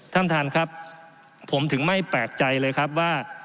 ท่านท่านครับผมถึงไม่แปลกใจเลยครับว่า